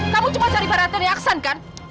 kamu cuma cari perhatiannya aksan kan